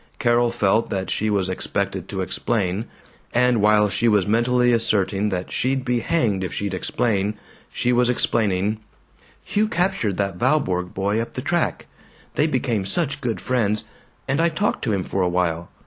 Carol felt that she was expected to explain; and while she was mentally asserting that she'd be hanged if she'd explain, she was explaining: "Hugh captured that Valborg boy up the track. They became such good friends. And I talked to him for a while.